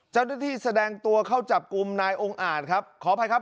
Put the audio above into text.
เจ้าหน้าที่แสดงตัวเข้าจับกลุ่มนายองค์อ่านครับขออภัยครับ